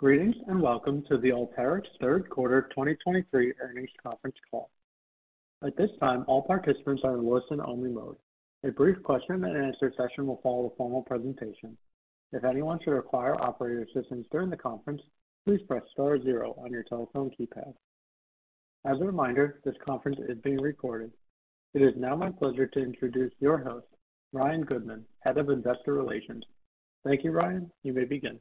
Greetings, and welcome to the Alteryx third quarter 2023 earnings conference call. At this time, all participants are in listen-only mode. A brief question-and-answer session will follow the formal presentation. If anyone should require operator assistance during the conference, please press star zero on your telephone keypad. As a reminder, this conference is being recorded. It is now my pleasure to introduce your host, Ryan Goodman, Head of Investor Relations. Thank you, Ryan. You may begin.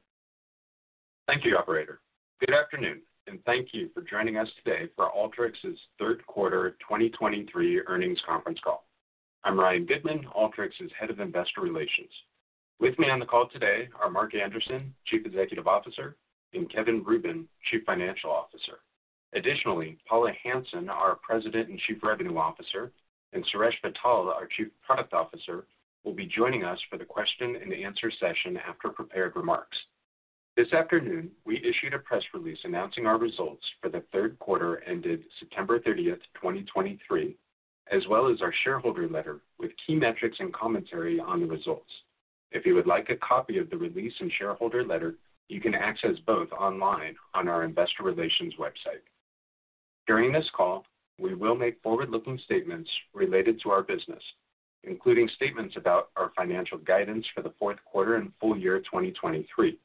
Thank you, operator. Good afternoon, and thank you for joining us today for Alteryx's third quarter 2023 earnings conference call. I'm Ryan Goodman, Alteryx's Head of Investor Relations. With me on the call today are Mark Anderson, Chief Executive Officer, and Kevin Rubin, Chief Financial Officer. Additionally, Paula Hansen, our President and Chief Revenue Officer, and Suresh Vittal, our Chief Product Officer, will be joining us for the question-and-answer session after prepared remarks. This afternoon, we issued a press release announcing our results for the third quarter ended September 30, 2023, as well as our shareholder letter with key metrics and commentary on the results. If you would like a copy of the release and shareholder letter, you can access both online on our investor relations website. During this call, we will make forward-looking statements related to our business, including statements about our financial guidance for the fourth quarter and full year 2023.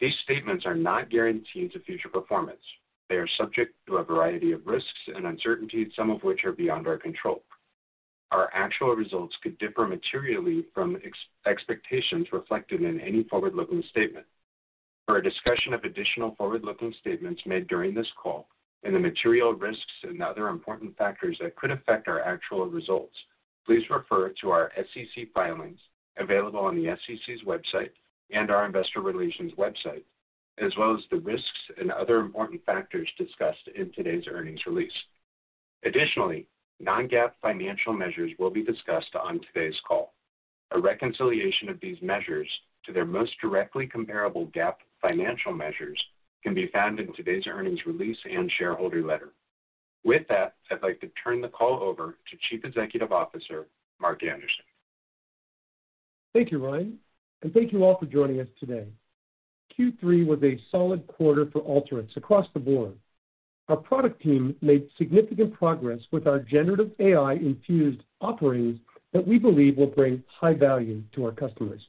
These statements are not guarantees of future performance. They are subject to a variety of risks and uncertainties, some of which are beyond our control. Our actual results could differ materially from expectations reflected in any forward-looking statement. For a discussion of additional forward-looking statements made during this call and the material risks and other important factors that could affect our actual results, please refer to our SEC filings available on the SEC's website and our investor relations website, as well as the risks and other important factors discussed in today's earnings release. Additionally, non-GAAP financial measures will be discussed on today's call. A reconciliation of these measures to their most directly comparable GAAP financial measures can be found in today's earnings release and shareholder letter. With that, I'd like to turn the call over to Chief Executive Officer, Mark Anderson. Thank you, Ryan, and thank you all for joining us today. Q3 was a solid quarter for Alteryx across the board. Our product team made significant progress with our generative AI-infused offerings that we believe will bring high value to our customers.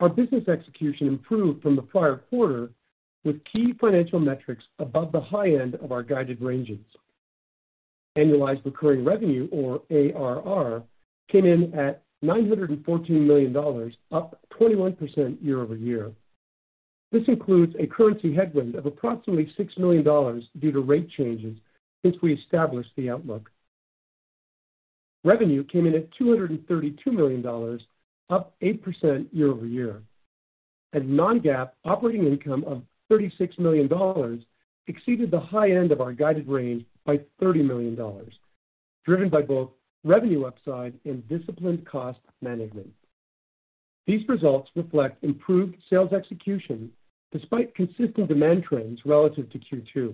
Our business execution improved from the prior quarter with key financial metrics above the high end of our guided ranges. Annualized recurring revenue, or ARR, came in at $914 million, up 21% year-over-year. This includes a currency headwind of approximately $6 million due to rate changes since we established the outlook. Revenue came in at $232 million, up 8% year-over-year. A non-GAAP operating income of $36 million exceeded the high end of our guided range by $30 million, driven by both revenue upside and disciplined cost management. These results reflect improved sales execution despite consistent demand trends relative to Q2.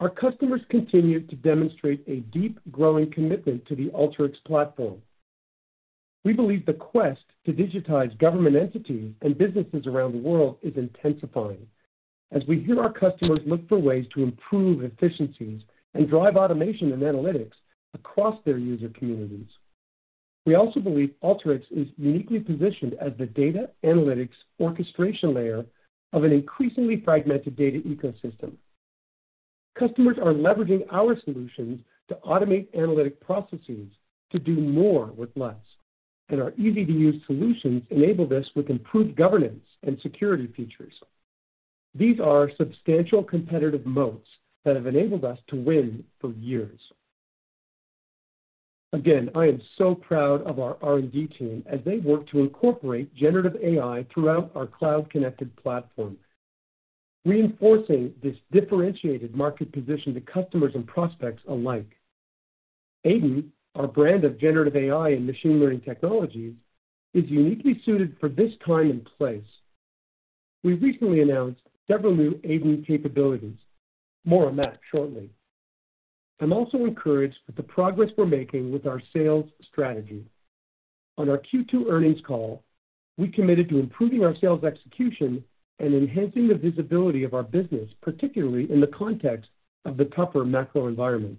Our customers continue to demonstrate a deep, growing commitment to the Alteryx platform. We believe the quest to digitize government entities and businesses around the world is intensifying, as we hear our customers look for ways to improve efficiencies and drive automation and analytics across their user communities. We also believe Alteryx is uniquely positioned as the data analytics orchestration layer of an increasingly fragmented data ecosystem. Customers are leveraging our solutions to automate analytic processes to do more with less, and our easy-to-use solutions enable this with improved governance and security features. These are substantial competitive moats that have enabled us to win for years. Again, I am so proud of our R&D team as they work to incorporate generative AI throughout our cloud-connected platform, reinforcing this differentiated market position to customers and prospects alike. AiDIN, our brand of generative AI and Machine Learning technology, is uniquely suited for this time and place. We recently announced several new AiDIN capabilities. More on that shortly. I'm also encouraged with the progress we're making with our sales strategy. On our Q2 earnings call, we committed to improving our sales execution and enhancing the visibility of our business, particularly in the context of the tougher macro environment.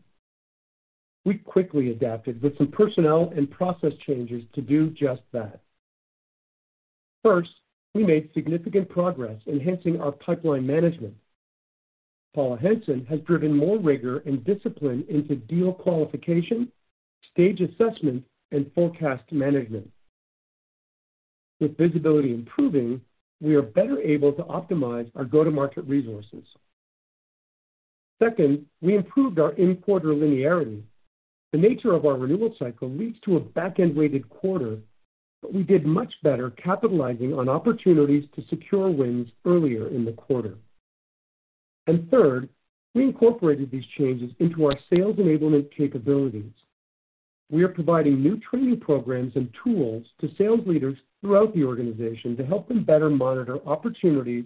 We quickly adapted with some personnel and process changes to do just that. First, we made significant progress enhancing our pipeline management. Paula Hansen has driven more rigor and discipline into deal qualification, stage assessment, and forecast management. With visibility improving, we are better able to optimize our go-to-market resources. Second, we improved our in-quarter linearity. The nature of our renewal cycle leads to a back-end-weighted quarter, but we did much better capitalizing on opportunities to secure wins earlier in the quarter. And third, we incorporated these changes into our sales enablement capabilities. We are providing new training programs and tools to sales leaders throughout the organization to help them better monitor opportunities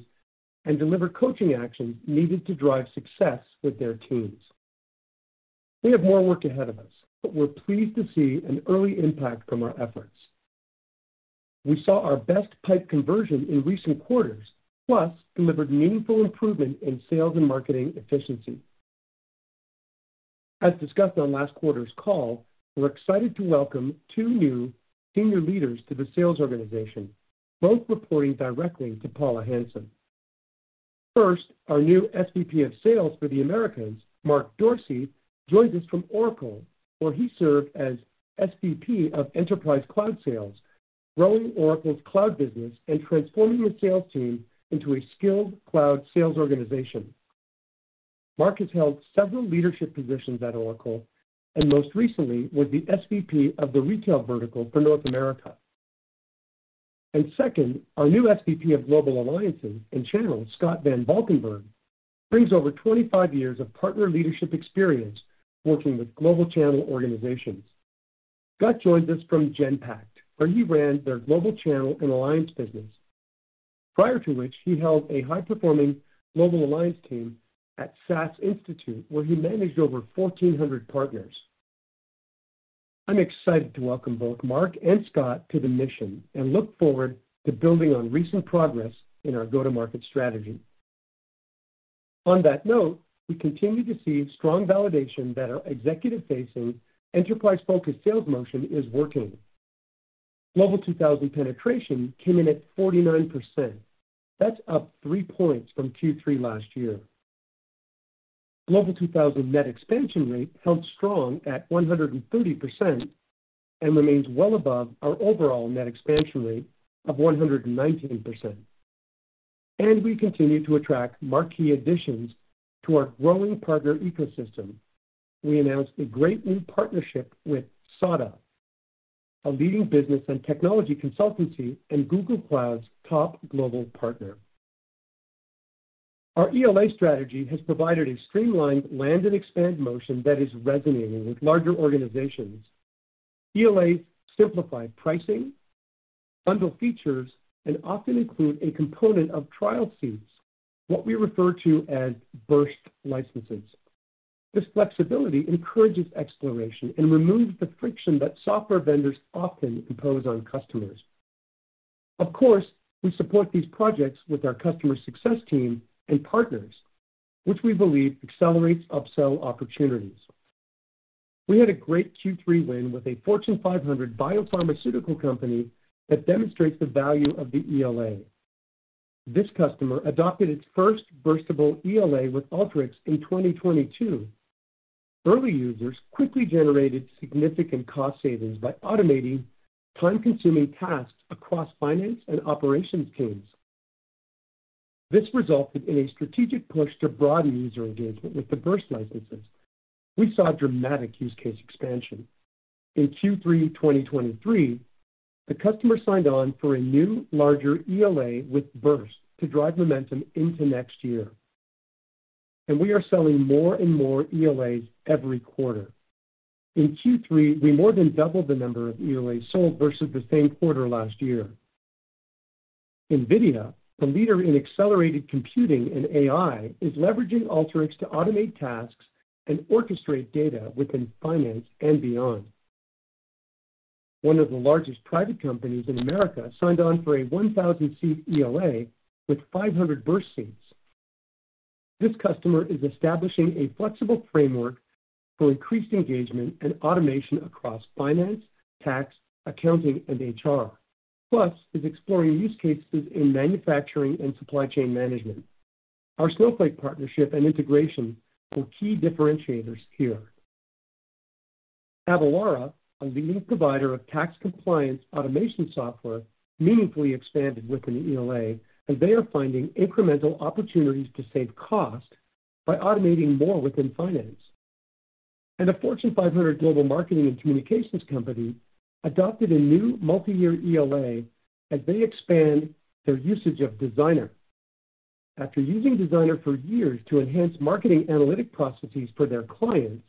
and deliver coaching actions needed to drive success with their teams. We have more work ahead of us, but we're pleased to see an early impact from our efforts. We saw our best pipe conversion in recent quarters, plus delivered meaningful improvement in sales and marketing efficiency. As discussed on last quarter's call, we're excited to welcome two new senior leaders to the sales organization, both reporting directly to Paula Hansen. First, our new SVP of Sales for the Americas, Mark Dorsey, joins us from Oracle, where he served as SVP of Enterprise Cloud Sales, growing Oracle's cloud business and transforming the sales team into a skilled cloud sales organization. Mark has held several leadership positions at Oracle, and most recently was the SVP of the retail vertical for North America. And second, our new SVP of Global Alliances and Channels, Scott Van Valkenburg, brings over 25 years of partner leadership experience working with global channel organizations. Scott joins us from Genpact, where he ran their global channel and alliance business, prior to which he held a high-performing global alliance team at SAS Institute, where he managed over 1,400 partners. I'm excited to welcome both Mark and Scott to the mission and look forward to building on recent progress in our go-to-market strategy. On that note, we continue to see strong validation that our executive-facing, enterprise-focused sales motion is working. Global 2000 penetration came in at 49%. That's up three points from Q3 last year. Global 2000 net expansion rate held strong at 130% and remains well above our overall net expansion rate of 119%. We continue to attract marquee additions to our growing partner ecosystem. We announced a great new partnership with SADA, a leading business and technology consultancy and Google Cloud's top global partner. Our ELA strategy has provided a streamlined land-and-expand motion that is resonating with larger organizations. ELAs simplify pricing, bundle features, and often include a component of trial seats, what we refer to as burst licenses. This flexibility encourages exploration and removes the friction that software vendors often impose on customers. Of course, we support these projects with our customer success team and partners, which we believe accelerates upsell opportunities. We had a great Q3 win with a Fortune 500 biopharmaceutical company that demonstrates the value of the ELA. This customer adopted its first burstable ELA with Alteryx in 2022. Early users quickly generated significant cost savings by automating time-consuming tasks across finance and operations teams. This resulted in a strategic push to broaden user engagement with the burst licenses. We saw dramatic use case expansion. In Q3 2023, the customer signed on for a new, larger ELA with burst to drive momentum into next year, and we are selling more and more ELAs every quarter. In Q3, we more than doubled the number of ELAs sold versus the same quarter last year. NVIDIA, a leader in accelerated computing and AI, is leveraging Alteryx to automate tasks and orchestrate data within finance and beyond. One of the largest private companies in America signed on for a 1,000-seat ELA with 500 burst seats. This customer is establishing a flexible framework for increased engagement and automation across finance, tax, accounting, and HR, plus is exploring use cases in manufacturing and supply chain management. Our Snowflake partnership and integration were key differentiators here. Avalara, a leading provider of tax compliance automation software, meaningfully expanded within the ELA, as they are finding incremental opportunities to save costs by automating more within finance. A Fortune 500 global marketing and communications company adopted a new multi-year ELA as they expand their usage of Designer. After using Designer for years to enhance marketing analytic processes for their clients,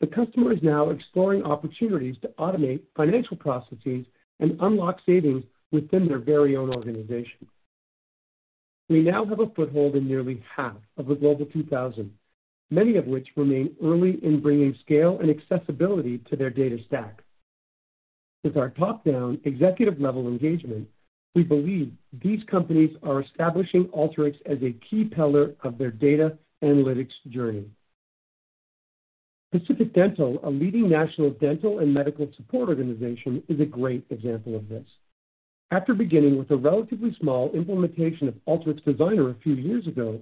the customer is now exploring opportunities to automate financial processes and unlock savings within their very own organization. We now have a foothold in nearly half of the Global 2000, many of which remain early in bringing scale and accessibility to their data stacks. With our top-down executive level engagement, we believe these companies are establishing Alteryx as a key pillar of their data analytics journey. Pacific Dental Services, a leading national dental and medical support organization, is a great example of this. After beginning with a relatively small implementation of Alteryx Designer a few years ago,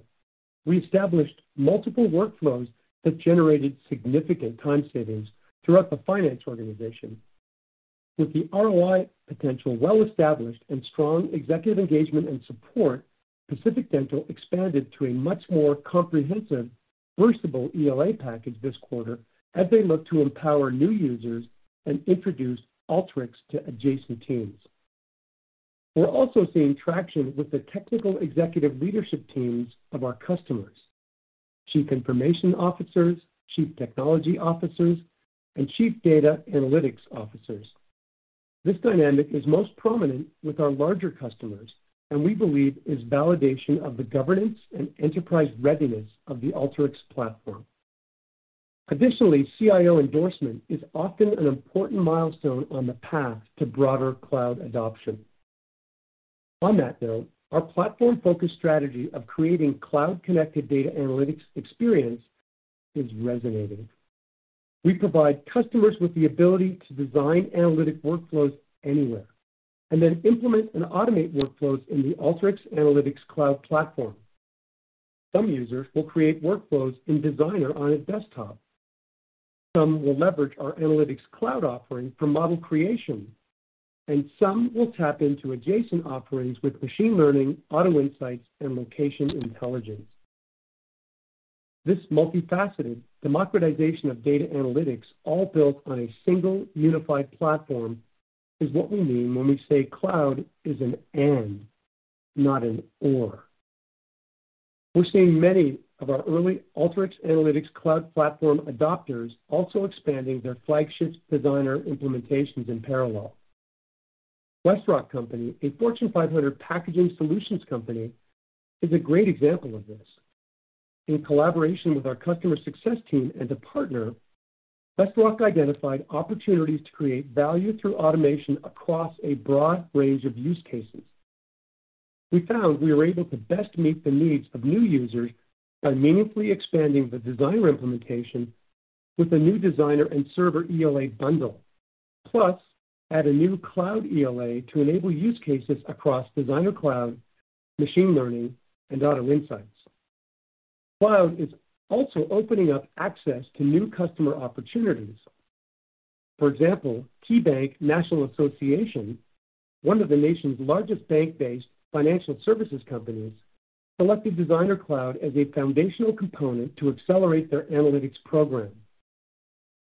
we established multiple workflows that generated significant time savings throughout the finance organization. With the ROI potential well-established and strong executive engagement and support, Pacific Dental expanded to a much more comprehensive burstable ELA package this quarter as they look to empower new users and introduce Alteryx to adjacent teams. We're also seeing traction with the technical executive leadership teams of our customers, chief information officers, chief technology officers, and chief data analytics officers.... This dynamic is most prominent with our larger customers, and we believe is validation of the governance and enterprise readiness of the Alteryx platform. Additionally, CIO endorsement is often an important milestone on the path to broader cloud adoption. On that note, our platform-focused strategy of creating cloud-connected data analytics experience is resonating. We provide customers with the ability to design analytic workflows anywhere, and then implement and automate workflows in the Alteryx Analytics Cloud Platform. Some users will create workflows in Designer on a desktop. Some will leverage our analytics cloud offering for model creation, and some will tap into adjacent offerings with machine learning, Auto Insights, and Location Intelligence. This multifaceted democratization of data analytics, all built on a single unified platform, is what we mean when we say cloud is an and, not an or. We're seeing many of our early Alteryx Analytics Cloud Platform adopters also expanding their flagship Designer implementations in parallel. WestRock, a Fortune 500 packaging solutions company, is a great example of this. In collaboration with our customer success team and a partner, WestRock identified opportunities to create value through automation across a broad range of use cases. We found we were able to best meet the needs of new users by meaningfully expanding the Designer implementation with a new Designer and Server ELA bundle, plus add a new cloud ELA to enable use cases across Designer Cloud, Machine Learning, and Auto Insights. Cloud is also opening up access to new customer opportunities. For example, KeyBank, one of the nation's largest bank-based financial services companies, selected Designer Cloud as a foundational component to accelerate their analytics program.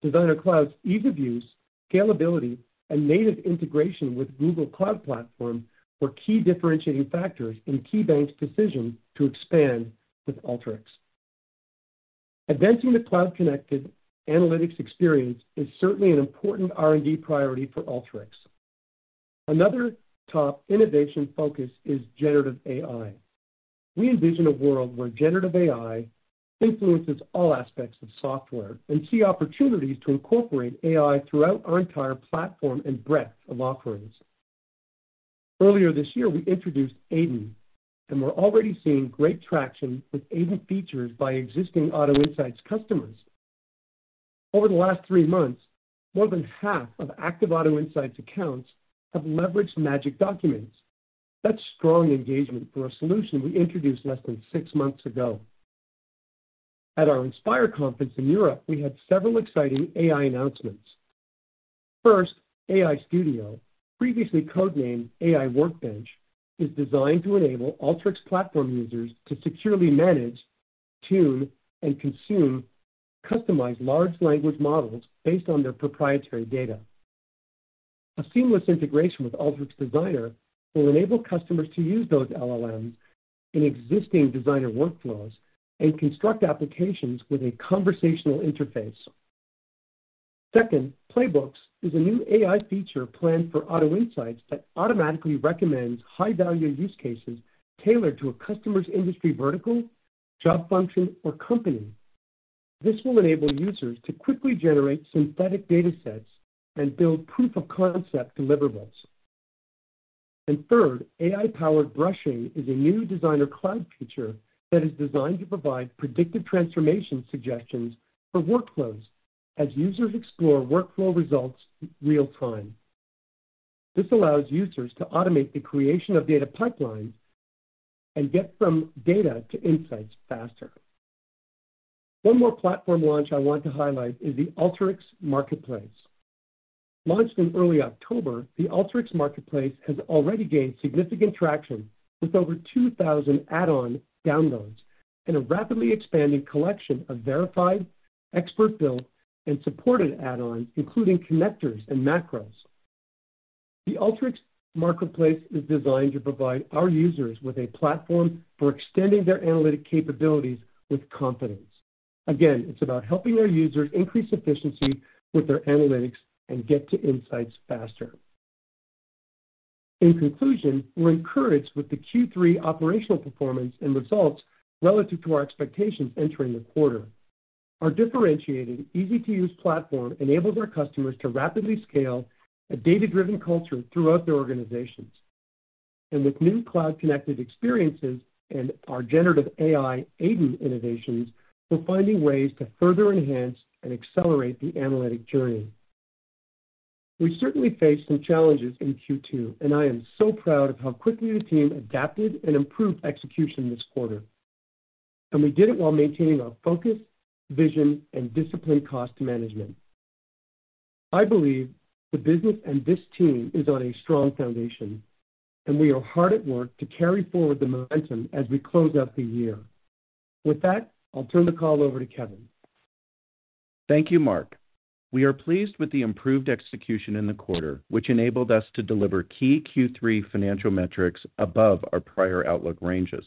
Designer Cloud's ease of use, scalability, and native integration with Google Cloud Platform were key differentiating factors in KeyBank's decision to expand with Alteryx. Advancing the cloud-connected analytics experience is certainly an important R&D priority for Alteryx. Another top innovation focus is generative AI. We envision a world where generative AI influences all aspects of software and see opportunities to incorporate AI throughout our entire platform and breadth of offerings. Earlier this year, we introduced AiDIN, and we're already seeing great traction with AiDIN features by existing Auto Insights customers. Over the last three months, more than half of active Auto Insights accounts have leveraged Magic Documents. That's strong engagement for a solution we introduced less than six months ago. At our Inspire conference in Europe, we had several exciting AI announcements. First, AI Studio, previously code-named AI Workbench, is designed to enable Alteryx platform users to securely manage, tune, and consume customized large language models based on their proprietary data. A seamless integration with Alteryx Designer will enable customers to use those LLMs in existing Designer workflows and construct applications with a conversational interface. Second, Playbooks is a new AI feature planned for Auto Insights that automatically recommends high-value use cases tailored to a customer's industry, vertical, job function, or company. This will enable users to quickly generate synthetic datasets and build proof of concept deliverables. And third, AI-Powered Brushing is a new Designer Cloud feature that is designed to provide predictive transformation suggestions for workflows as users explore workflow results in real time. This allows users to automate the creation of data pipelines and get from data to insights faster. One more platform launch I want to highlight is the Alteryx Marketplace. Launched in early October, the Alteryx Marketplace has already gained significant traction, with over 2,000 add-on downloads and a rapidly expanding collection of verified, expert-built, and supported add-ons, including connectors and macros. The Alteryx Marketplace is designed to provide our users with a platform for extending their analytic capabilities with confidence. Again, it's about helping our users increase efficiency with their analytics and get to insights faster. In conclusion, we're encouraged with the Q3 operational performance and results relative to our expectations entering the quarter. Our differentiated, easy-to-use platform enables our customers to rapidly scale a data-driven culture throughout their organizations. And with new cloud-connected experiences and our generative AI AiDIN innovations, we're finding ways to further enhance and accelerate the analytic journey. We certainly faced some challenges in Q2, and I am so proud of how quickly the team adapted and improved execution this quarter, and we did it while maintaining our focus, vision, and disciplined cost management. I believe the business and this team is on a strong foundation, and we are hard at work to carry forward the momentum as we close out the year. With that, I'll turn the call over to Kevin. Thank you, Mark. We are pleased with the improved execution in the quarter, which enabled us to deliver key Q3 financial metrics above our prior outlook ranges.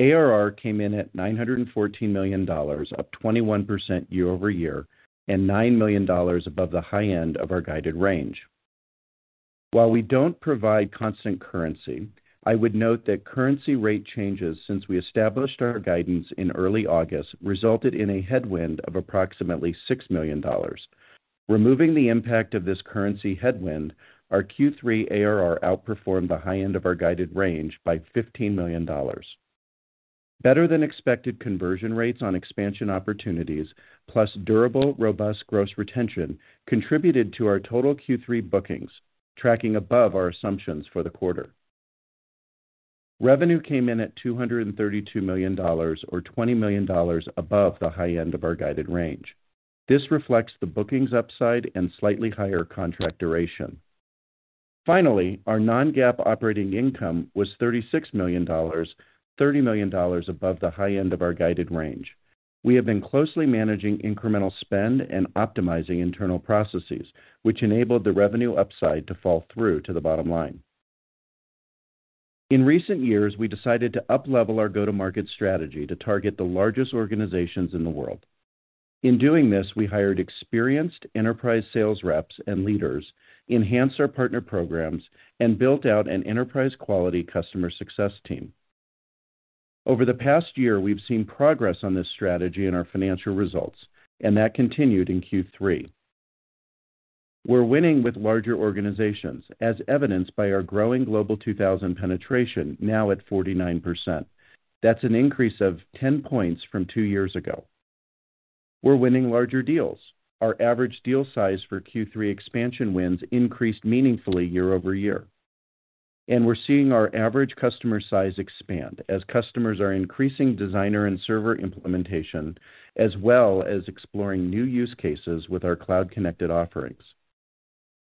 ARR came in at $914 million, up 21% year-over-year, and $9 million above the high end of our guided range. While we don't provide constant currency, I would note that currency rate changes since we established our guidance in early August resulted in a headwind of approximately $6 million. Removing the impact of this currency headwind, our Q3 ARR outperformed the high end of our guided range by $15 million. Better than expected conversion rates on expansion opportunities, plus durable, robust gross retention, contributed to our total Q3 bookings tracking above our assumptions for the quarter. Revenue came in at $232 million, or $20 million above the high end of our guided range. This reflects the bookings upside and slightly higher contract duration. Finally, our non-GAAP operating income was $36 million, $30 million above the high end of our guided range. We have been closely managing incremental spend and optimizing internal processes, which enabled the revenue upside to fall through to the bottom line. In recent years, we decided to uplevel our go-to-market strategy to target the largest organizations in the world. In doing this, we hired experienced enterprise sales reps and leaders, enhanced our partner programs, and built out an enterprise-quality customer success team. Over the past year, we've seen progress on this strategy in our financial results, and that continued in Q3. We're winning with larger organizations, as evidenced by our growing Global 2000 penetration, now at 49%. That's an increase of 10 points from two years ago. We're winning larger deals. Our average deal size for Q3 expansion wins increased meaningfully year-over-year, and we're seeing our average customer size expand as customers are increasing designer and server implementation, as well as exploring new use cases with our cloud-connected offerings.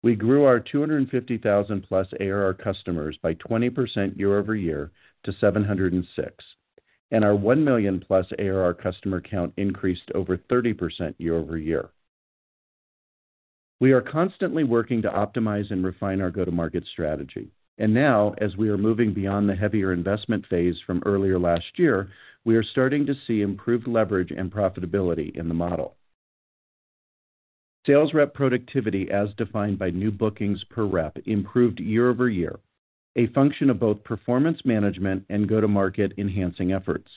We grew our 250,000+ ARR customers by 20% year-over-year to 706, and our 1 million+ ARR customer count increased over 30% year-over-year. We are constantly working to optimize and refine our go-to-market strategy, and now, as we are moving beyond the heavier investment phase from earlier last year, we are starting to see improved leverage and profitability in the model. Sales rep productivity, as defined by new bookings per rep, improved year-over-year, a function of both performance management and go-to-market enhancing efforts.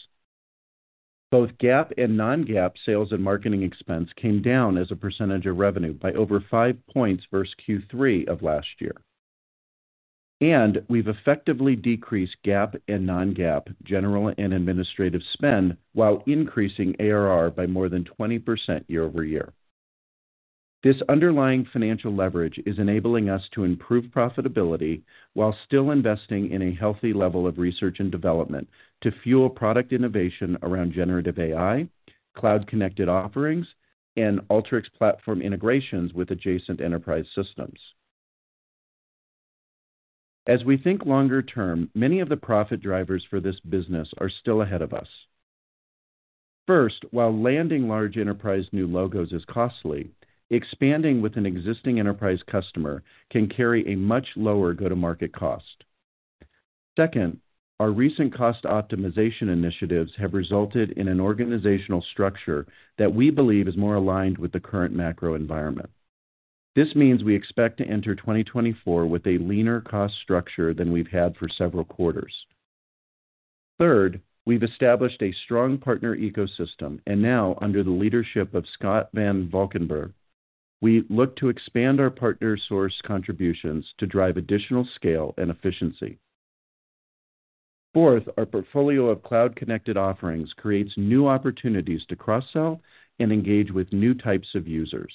Both GAAP and non-GAAP sales and marketing expense came down as a percentage of revenue by over 5 points versus Q3 of last year. We've effectively decreased GAAP and non-GAAP general and administrative spend while increasing ARR by more than 20% year-over-year. This underlying financial leverage is enabling us to improve profitability while still investing in a healthy level of research and development to fuel product innovation around generative AI, cloud-connected offerings, and Alteryx platform integrations with adjacent enterprise systems. As we think longer term, many of the profit drivers for this business are still ahead of us. First, while landing large enterprise new logos is costly, expanding with an existing enterprise customer can carry a much lower go-to-market cost. Second, our recent cost optimization initiatives have resulted in an organizational structure that we believe is more aligned with the current macro environment. This means we expect to enter 2024 with a leaner cost structure than we've had for several quarters. Third, we've established a strong partner ecosystem, and now, under the leadership of Scott Van Valkenburg, we look to expand our partner source contributions to drive additional scale and efficiency. Fourth, our portfolio of cloud-connected offerings creates new opportunities to cross-sell and engage with new types of users.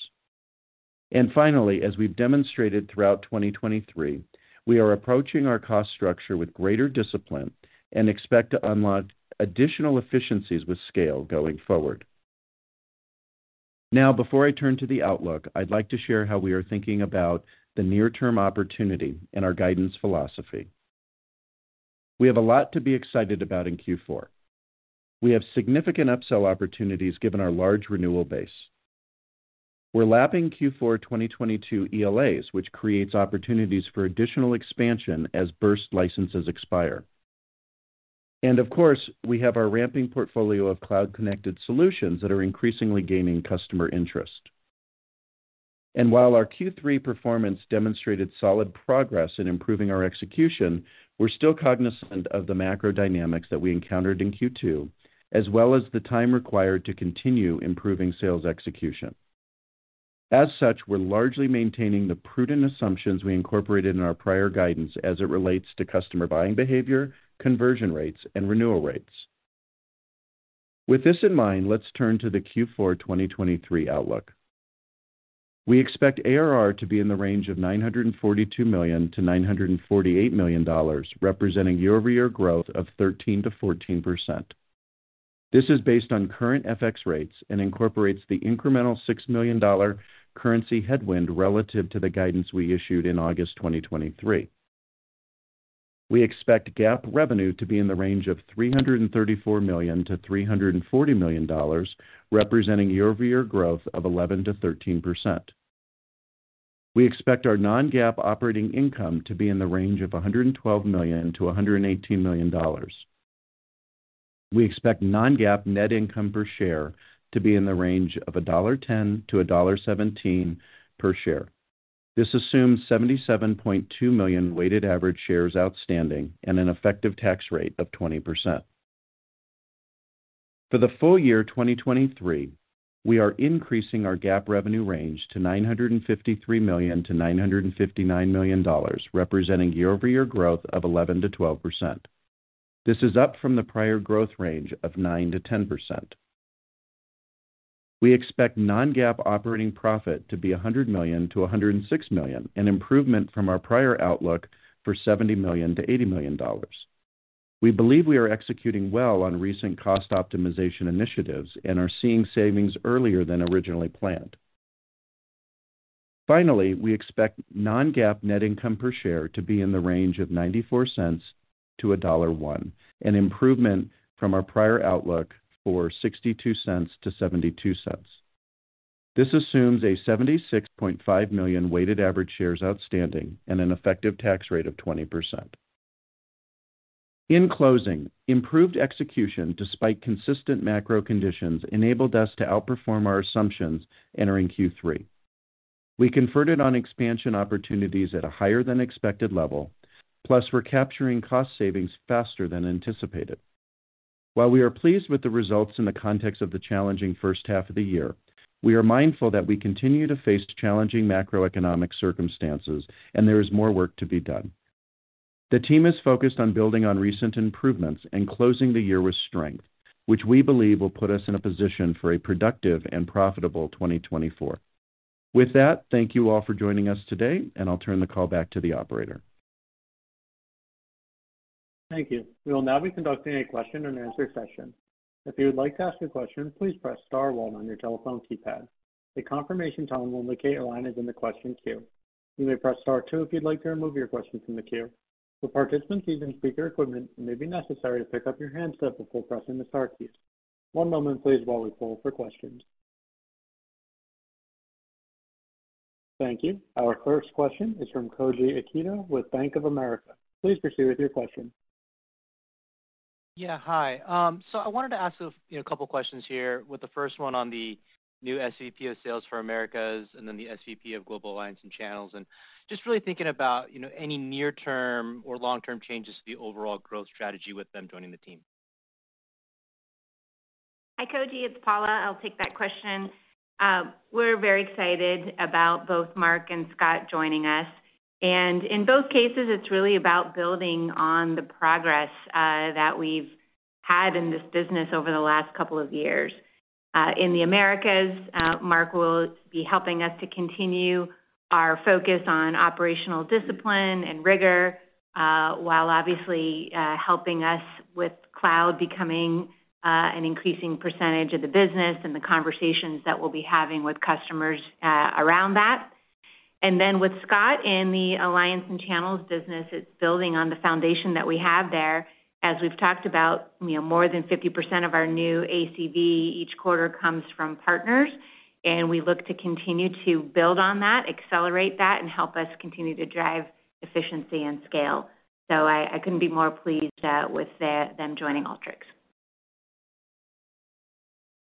And finally, as we've demonstrated throughout 2023, we are approaching our cost structure with greater discipline and expect to unlock additional efficiencies with scale going forward. Now, before I turn to the outlook, I'd like to share how we are thinking about the near-term opportunity and our guidance philosophy. We have a lot to be excited about in Q4. We have significant upsell opportunities given our large renewal base. We're lapping Q4 2022 ELAs, which creates opportunities for additional expansion as burst licenses expire. Of course, we have our ramping portfolio of cloud-connected solutions that are increasingly gaining customer interest. While our Q3 performance demonstrated solid progress in improving our execution, we're still cognizant of the macro dynamics that we encountered in Q2, as well as the time required to continue improving sales execution. As such, we're largely maintaining the prudent assumptions we incorporated in our prior guidance as it relates to customer buying behavior, conversion rates, and renewal rates. With this in mind, let's turn to the Q4 2023 outlook. We expect ARR to be in the range of $942 million-$948 million, representing year-over-year growth of 13%-14%. This is based on current FX rates and incorporates the incremental 6 million currency headwind relative to the guidance we issued in August 2023. We expect GAAP revenue to be in the range of $334 million-$340 million, representing year-over-year growth of 11%-13%. We expect our non-GAAP operating income to be in the range of $112 million-$118 million. We expect non-GAAP net income per share to be in the range of $1.10-$1.17 per share. This assumes 77.2 million weighted average shares outstanding and an effective tax rate of 20%. For the full year 2023, we are increasing our GAAP revenue range to $953 million-$959 million, representing year-over-year growth of 11%-12%. This is up from the prior growth range of 9%-10%. We expect non-GAAP operating profit to be $100 million-$106 million, an improvement from our prior outlook for $70 million-$80 million. We believe we are executing well on recent cost optimization initiatives and are seeing savings earlier than originally planned. Finally, we expect non-GAAP net income per share to be in the range of $0.94-$1.01, an improvement from our prior outlook for $0.62-$0.72. This assumes a 76.5 million weighted average shares outstanding and an effective tax rate of 20%. In closing, improved execution, despite consistent macro conditions, enabled us to outperform our assumptions entering Q3. We converted on expansion opportunities at a higher than expected level, plus we're capturing cost savings faster than anticipated. While we are pleased with the results in the context of the challenging first half of the year, we are mindful that we continue to face challenging macroeconomic circumstances, and there is more work to be done. The team is focused on building on recent improvements and closing the year with strength, which we believe will put us in a position for a productive and profitable 2024. With that, thank you all for joining us today, and I'll turn the call back to the operator. Thank you. We will now be conducting a question and answer session. If you would like to ask a question, please press star one on your telephone keypad. A confirmation tone will indicate your line is in the question queue. You may press star two if you'd like to remove your question from the queue. For participants using speaker equipment, it may be necessary to pick up your handset before pressing the star keys. One moment please, while we pull for questions. Thank you. Our first question is from Koji Ikeda with Bank of America. Please proceed with your question. Yeah, hi. So I wanted to ask a couple questions here, with the first one on the new SVP of Sales for Americas and then the SVP of Global Alliances and Channels, and just really thinking about, you know, any near-term or long-term changes to the overall growth strategy with them joining the team? Hi, Koji, it's Paula. I'll take that question. We're very excited about both Mark and Scott joining us, and in both cases, it's really about building on the progress that we've had in this business over the last couple of years. In the Americas, Mark will be helping us to continue our focus on operational discipline and rigor, while obviously helping us with cloud becoming an increasing percentage of the business and the conversations that we'll be having with customers around that. And then with Scott in the Alliances and Channels business, it's building on the foundation that we have there. As we've talked about, you know, more than 50% of our new ACV each quarter comes from partners, and we look to continue to build on that, accelerate that, and help us continue to drive efficiency and scale. So I couldn't be more pleased with them joining Alteryx.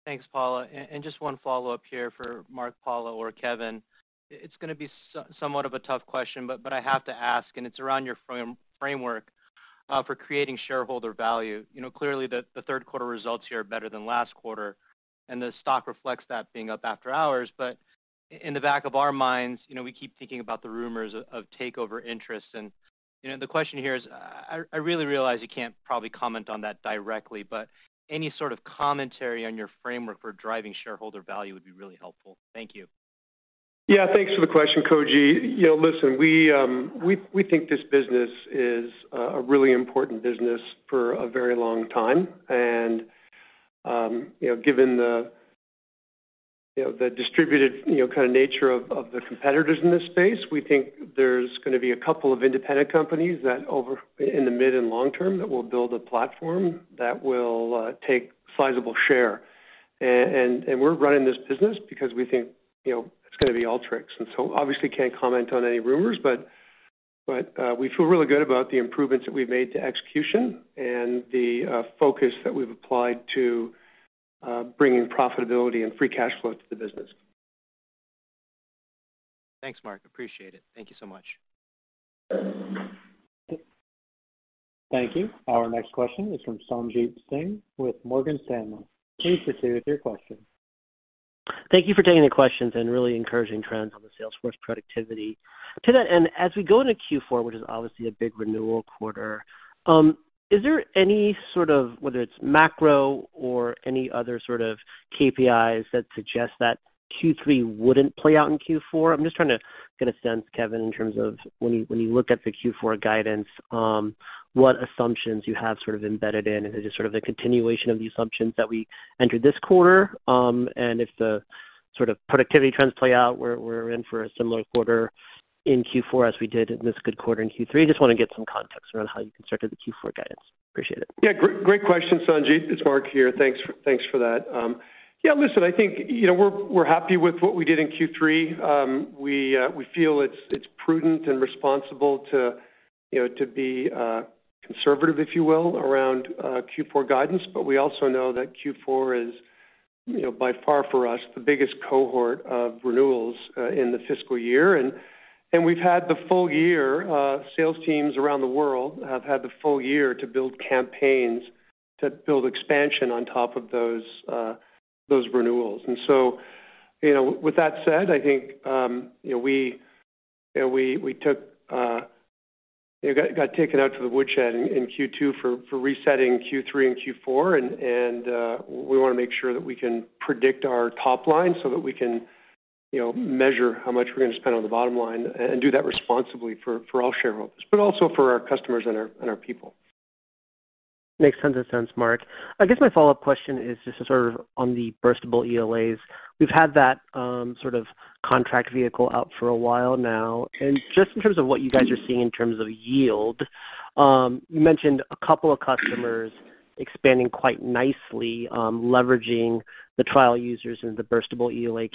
Thanks, Paula. And just one follow-up here for Mark, Paula, or Kevin. It's gonna be somewhat of a tough question, but I have to ask, and it's around your framework for creating shareholder value. You know, clearly, the third quarter results here are better than last quarter, and the stock reflects that being up after hours. But in the back of our minds, you know, we keep thinking about the rumors of takeover interests. And, you know, the question here is, I really realize you can't probably comment on that directly, but any sort of commentary on your framework for driving shareholder value would be really helpful. Thank you. Yeah, thanks for the question, Koji. You know, listen, we, we think this business is a really important business for a very long time, and, you know, given the, you know, the distributed, you know, kind of nature of, of the competitors in this space, we think there's gonna be a couple of independent companies that over in the mid and long term, that will build a platform that will take sizable share. And, and, and we're running this business because we think, you know, it's gonna be Alteryx. And so obviously can't comment on any rumors, but, but, we feel really good about the improvements that we've made to execution and the, focus that we've applied to, bringing profitability and free cash flow to the business. Thanks, Mark. Appreciate it. Thank you so much. Thank you. Our next question is from Sanjit Singh with Morgan Stanley. Please proceed with your question. Thank you for taking the questions and really encouraging trends on the Salesforce productivity. To that end, as we go into Q4, which is obviously a big renewal quarter, is there any sort of, whether it's macro or any other sort of KPIs that suggest that Q3 wouldn't play out in Q4? I'm just trying to get a sense, Kevin, in terms of when you look at the Q4 guidance, what assumptions you have sort of embedded in, and is it sort of the continuation of the assumptions that we entered this quarter? If the sort of productivity trends play out, we're in for a similar quarter in Q4 as we did in this good quarter in Q3? I just want to get some context around how you constructed the Q4 guidance. Appreciate it. Yeah, great, great question, Sanjit. It's Mark here. Thanks for, thanks for that. Yeah, listen, I think, you know, we're happy with what we did in Q3. We feel it's prudent and responsible to, you know, to be conservative, if you will, around Q4 guidance. But we also know that Q4 is, you know, by far for us, the biggest cohort of renewals in the fiscal year. And we've had the full year. Sales teams around the world have had the full year to build campaigns, to build expansion on top of those renewals. And so, you know, with that said, I think, you know, we got taken out to the woodshed in Q2 for resetting Q3 and Q4, and we wanna make sure that we can predict our top line so that we can, you know, measure how much we're gonna spend on the bottom line and do that responsibly for all shareholders, but also for our customers and our people. Makes tons of sense, Mark. I guess my follow-up question is just to sort of on the burstable ELAs. We've had that, sort of contract vehicle out for a while now, and just in terms of what you guys are seeing in terms of yield, you mentioned a couple of customers expanding quite nicely, leveraging the trial users and the burstable ELA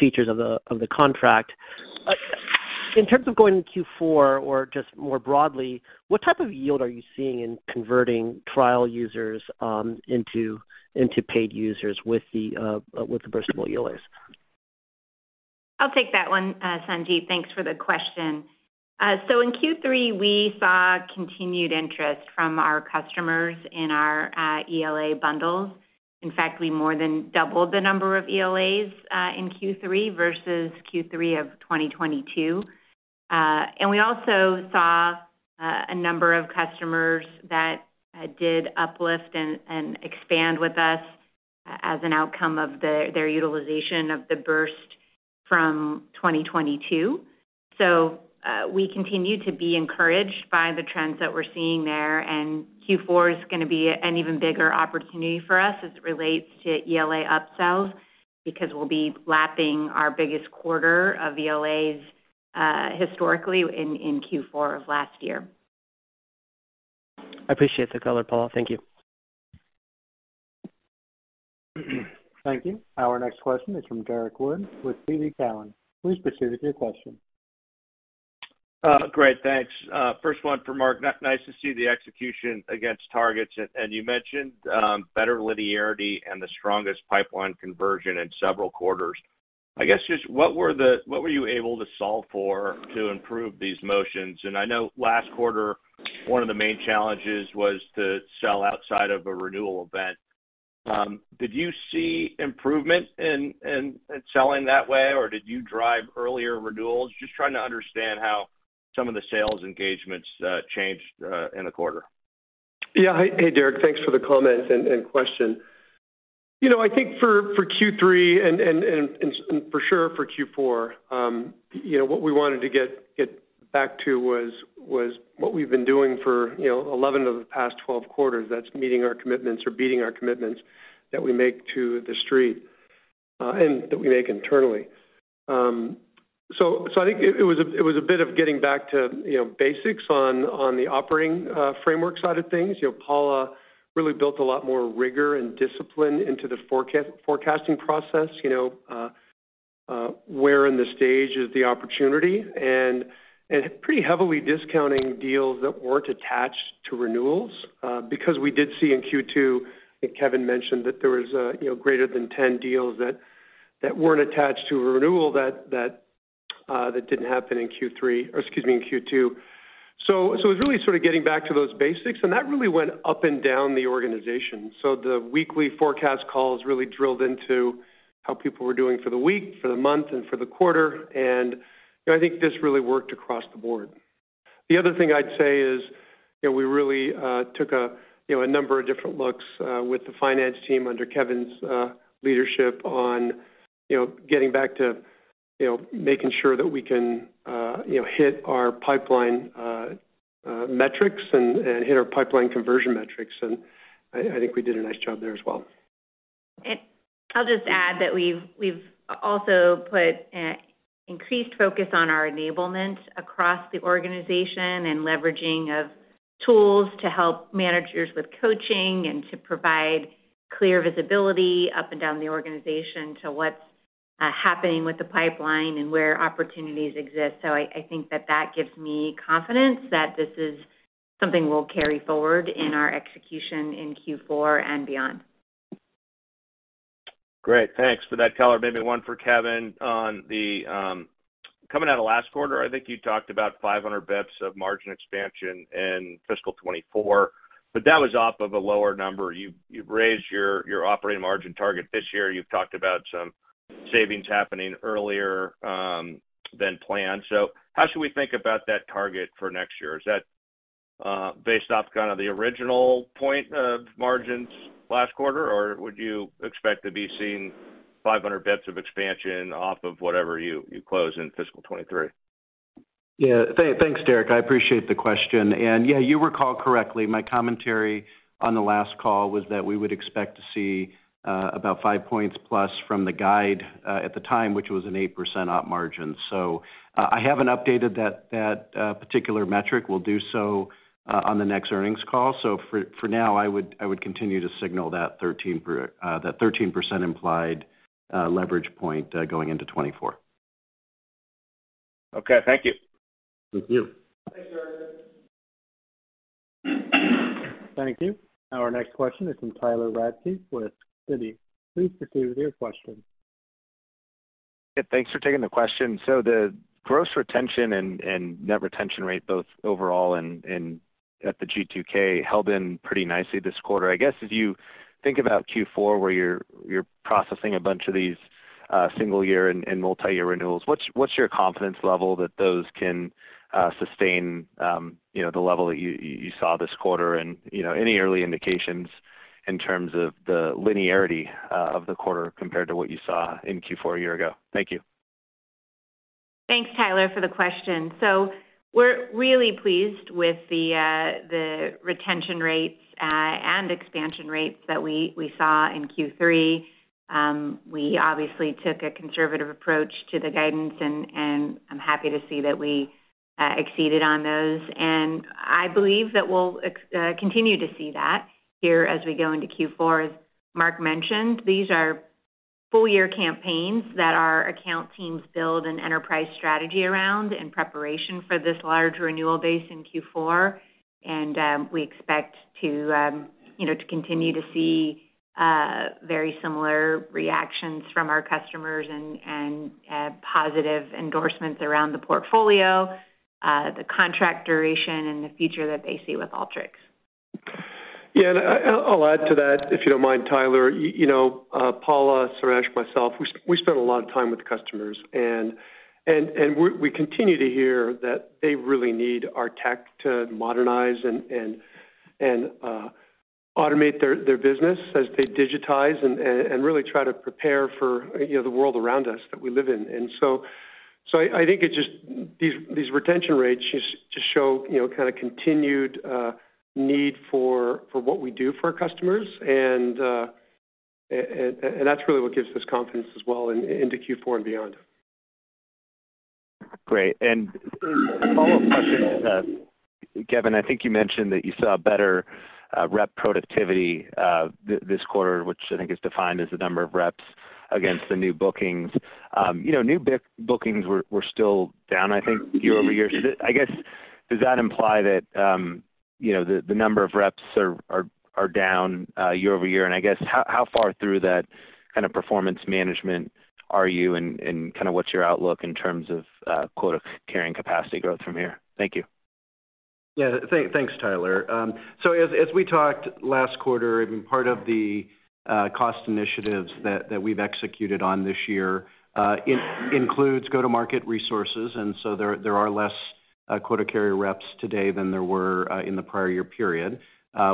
features of the contract. In terms of going to Q4, or just more broadly, what type of yield are you seeing in converting trial users into paid users with the burstable ELAs? I'll take that one, Sanjit. Thanks for the question. So in Q3, we saw continued interest from our customers in our ELA bundles. In fact, we more than doubled the number of ELAs in Q3 versus Q3 of 2022. And we also saw a number of customers that did uplift and expand with us as an outcome of their utilization of the burst from 2022. So we continue to be encouraged by the trends that we're seeing there, and Q4 is gonna be an even bigger opportunity for us as it relates to ELA upsells, because we'll be lapping our biggest quarter of ELAs historically in Q4 of last year. I appreciate the color, Paula. Thank you. Thank you. Our next question is from Derrick Wood with TD Cowen. Please proceed with your question. Great, thanks. First one for Mark. Nice to see the execution against targets, and you mentioned better linearity and the strongest pipeline conversion in several quarters. I guess, just what were you able to solve for to improve these motions? And I know last quarter, one of the main challenges was to sell outside of a renewal event. Did you see improvement in selling that way, or did you drive earlier renewals? Just trying to understand how some of the sales engagements changed in the quarter. Yeah. Hey, Derrick, thanks for the comments and question. You know, I think for Q3 and for sure for Q4, you know, what we wanted to get back to was what we've been doing for, you know, 11 of the past 12 quarters. That's meeting our commitments or beating our commitments that we make to the street, and that we make internally. So I think it was a bit of getting back to, you know, basics on the operating framework side of things. You know, Paula really built a lot more rigor and discipline into the forecasting process. You know, where in the stage is the opportunity, and pretty heavily discounting deals that weren't attached to renewals. Because we did see in Q2, I think Kevin mentioned, that there was, you know, greater than 10 deals that weren't attached to a renewal, that didn't happen in Q3—or excuse me, in Q2. So it was really sort of getting back to those basics, and that really went up and down the organization. So the weekly forecast calls really drilled into how people were doing for the week, for the month, and for the quarter, and, you know, I think this really worked across the board. The other thing I'd say is, you know, we really took a, you know, a number of different looks with the finance team under Kevin's leadership on, you know, getting back to, you know, making sure that we can, you know, hit our pipeline metrics and hit our pipeline conversion metrics. And I think we did a nice job there as well. I'll just add that we've also put increased focus on our enablement across the organization and leveraging of tools to help managers with coaching and to provide clear visibility up and down the organization to what's happening with the pipeline and where opportunities exist. I think that gives me confidence that this is something we'll carry forward in our execution in Q4 and beyond. Great. Thanks for that color. Maybe one for Kevin on the coming out of last quarter. I think you talked about 500 basis points of margin expansion in fiscal 2024, but that was off of a lower number. You've raised your operating margin target this year. You've talked about some savings happening earlier than planned. So how should we think about that target for next year? Is that based off kind of the original point of margins last quarter, or would you expect to be seeing 500 basis points of expansion off of whatever you close in fiscal 2023?... Yeah. Thanks, Derrick. I appreciate the question. And yeah, you recall correctly, my commentary on the last call was that we would expect to see about 5 points plus from the guide at the time, which was an 8% op margin. So I haven't updated that particular metric. We'll do so on the next earnings call. So for now, I would continue to signal that 13% implied leverage point going into 2024. Okay, thank you. Thank you. Thank you. Our next question is from Tyler Radke with Citi. Please proceed with your question. Yeah, thanks for taking the question. So the gross retention and net retention rate, both overall and at the G2K, held in pretty nicely this quarter. I guess, as you think about Q4, where you're processing a bunch of these single year and multi-year renewals, what's your confidence level that those can sustain, you know, the level that you saw this quarter? And, you know, any early indications in terms of the linearity of the quarter compared to what you saw in Q4 a year ago? Thank you. Thanks, Tyler, for the question. So we're really pleased with the, the retention rates, and expansion rates that we, we saw in Q3. We obviously took a conservative approach to the guidance, and, and I'm happy to see that we, exceeded on those. And I believe that we'll continue to see that here as we go into Q4. As Mark mentioned, these are full-year campaigns that our account teams build an enterprise strategy around in preparation for this large renewal base in Q4. And, we expect to, you know, to continue to see, very similar reactions from our customers and, and, positive endorsements around the portfolio, the contract duration, and the future that they see with Alteryx. Yeah, and I, I'll add to that, if you don't mind, Tyler. You know, Paula, Suresh, myself, we spend a lot of time with customers, and we continue to hear that they really need our tech to modernize and automate their business as they digitize and really try to prepare for, you know, the world around us that we live in. And so I think it just... These retention rates just show, you know, kind of continued need for what we do for our customers, and that's really what gives us confidence as well into Q4 and beyond. Great. And a follow-up question. Kevin, I think you mentioned that you saw a better rep productivity this quarter, which I think is defined as the number of reps against the new bookings. You know, new bookings were still down, I think, year-over-year. I guess, does that imply that, you know, the number of reps are down year-over-year? And I guess, how far through that kind of performance management are you, and kind of what's your outlook in terms of quota carrying capacity growth from here? Thank you. Yeah. Thanks, Tyler. So as we talked last quarter, and part of the cost initiatives that we've executed on this year includes go-to-market resources, and so there are less quota carrier reps today than there were in the prior year period.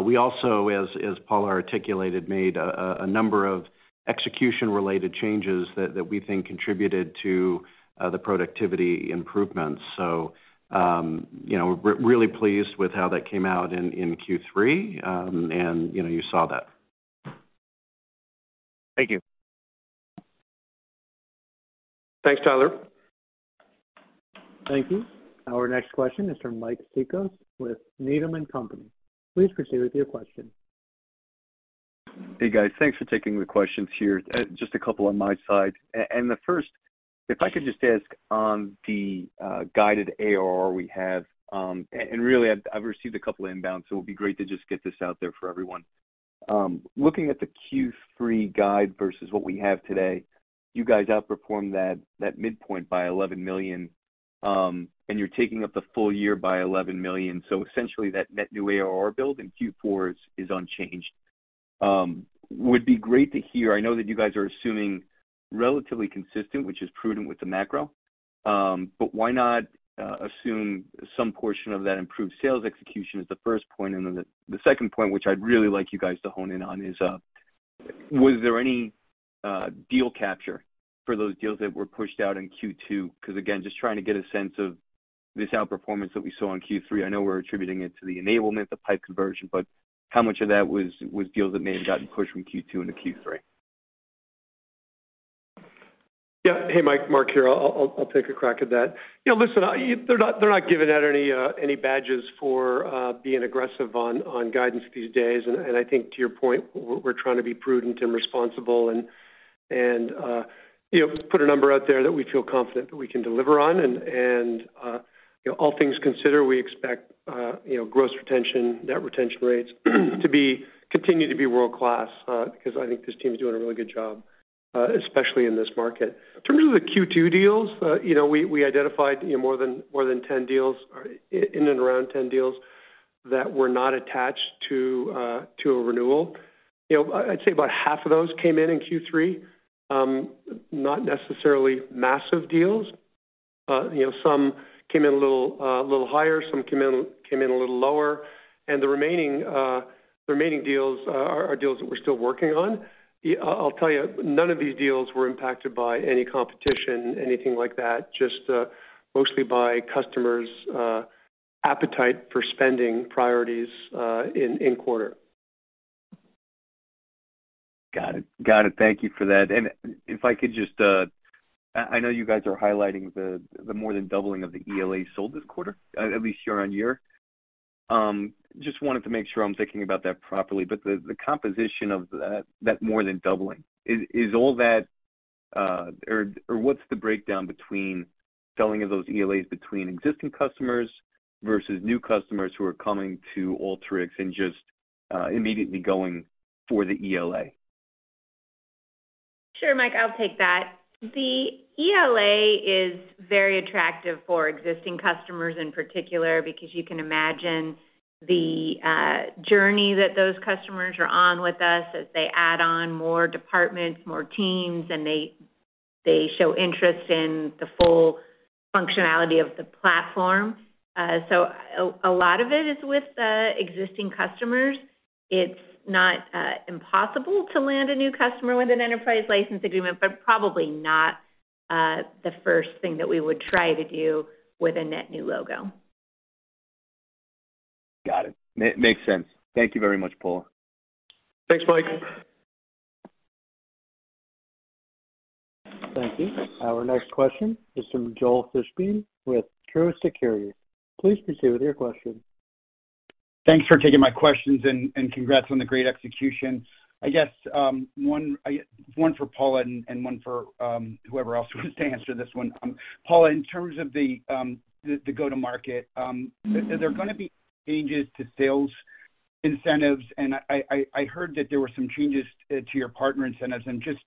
We also, as Paula articulated, made a number of execution-related changes that we think contributed to the productivity improvements. So, you know, we're really pleased with how that came out in Q3. And, you know, you saw that. Thank you. Thanks, Tyler. Thank you. Our next question is from Mike Cikos with Needham and Company. Please proceed with your question. Hey, guys. Thanks for taking the questions here. Just a couple on my side. And the first, if I could just ask on the guided ARR we have, and really, I've received a couple of inbounds, so it'll be great to just get this out there for everyone. Looking at the Q3 guide versus what we have today, you guys outperformed that midpoint by $11 million, and you're taking up the full year by $11 million. So essentially, that net new ARR build in Q4 is unchanged. Would be great to hear... I know that you guys are assuming relatively consistent, which is prudent with the macro, but why not assume some portion of that improved sales execution as the first point? And then the second point, which I'd really like you guys to hone in on, is, was there any deal capture for those deals that were pushed out in Q2? Because, again, just trying to get a sense of this outperformance that we saw in Q3. I know we're attributing it to the enablement, the pipe conversion, but how much of that was deals that may have gotten pushed from Q2 into Q3? Yeah. Hey, Mike. Mark here. I'll take a crack at that. You know, listen, they're not giving out any badges for being aggressive on guidance these days. And I think to your point, we're trying to be prudent and responsible and, you know, put a number out there that we feel confident that we can deliver on. And, you know, all things considered, we expect, you know, gross retention, net retention rates, to continue to be world-class, because I think this team is doing a really good job, especially in this market. In terms of the Q2 deals, you know, we identified, you know, more than 10 deals, in and around 10 deals that were not attached to a renewal. You know, I'd say about half of those came in in Q3. Not necessarily massive deals, you know, some came in a little, a little higher, some came in, came in a little lower, and the remaining, the remaining deals, are deals that we're still working on. I'll tell you, none of these deals were impacted by any competition, anything like that, just, mostly by customers, appetite for spending priorities, in, in quarter. Got it. Got it. Thank you for that. And if I could just, I know you guys are highlighting the more than doubling of the ELA sold this quarter, at least year-on-year. Just wanted to make sure I'm thinking about that properly, but the composition of that more than doubling. Is all that, or what's the breakdown between selling of those ELAs between existing customers versus new customers who are coming to Alteryx and just immediately going for the ELA? Sure, Mike, I'll take that. The ELA is very attractive for existing customers in particular, because you can imagine the journey that those customers are on with us as they add on more departments, more teams, and they show interest in the full functionality of the platform. So a lot of it is with existing customers. It's not impossible to land a new customer with an enterprise license agreement, but probably not the first thing that we would try to do with a net new logo. Got it. Makes sense. Thank you very much, Paula. Thanks, Mike. Thank you. Our next question is from Joel Fishbein with Truist Securities. Please proceed with your question. Thanks for taking my questions and congrats on the great execution. I guess, one for Paula and one for whoever else wants to answer this one. Paula, in terms of the go-to-market, are there gonna be changes to sales incentives? And I heard that there were some changes to your partner incentives and just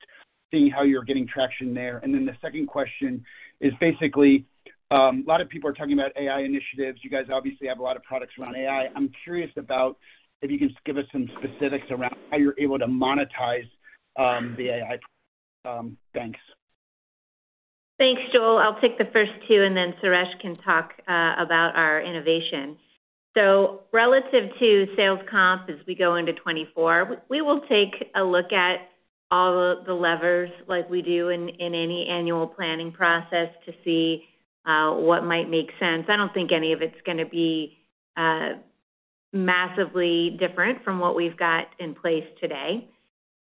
seeing how you're getting traction there. And then the second question is, basically, a lot of people are talking about AI initiatives. You guys obviously have a lot of products around AI. I'm curious about if you can just give us some specifics around how you're able to monetize the AI. Thanks. Thanks, Joel. I'll take the first two, and then Suresh can talk about our innovation. So relative to sales comp, as we go into 2024, we will take a look at all the levers like we do in any annual planning process, to see what might make sense. I don't think any of it's gonna be massively different from what we've got in place today.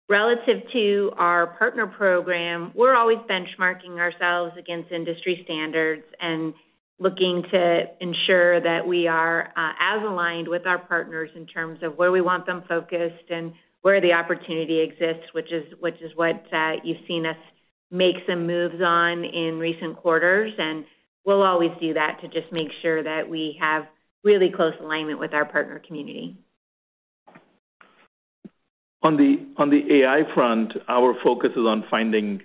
Relative to our partner program, we're always benchmarking ourselves against industry standards and looking to ensure that we are as aligned with our partners in terms of where we want them focused and where the opportunity exists, which is what you've seen us make some moves on in recent quarters. And we'll always do that to just make sure that we have really close alignment with our partner community. On the AI front, our focus is on finding